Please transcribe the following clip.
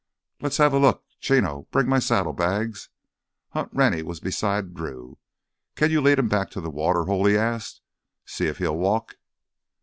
"Let's have a look, Chino, bring my saddlebags!" Hunt Rennie was beside Drew. "Can you lead him back to the water hole?" he asked. "See if he'll walk."